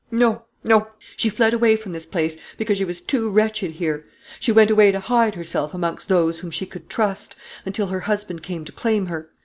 No, no; she fled away from this place because she was too wretched here. She went away to hide herself amongst those whom she could trust, until her husband came to claim her.